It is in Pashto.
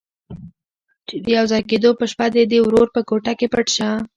چې د يوځای کېدو په شپه دې د ورور په کوټه کې پټ شه.